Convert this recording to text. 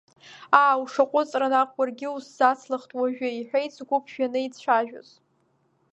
Аа, ушаҟәыҵра наҟ, уаргьы усзацлахт уажәы, – иҳәеит згәы ԥжәаны ицәажәоз.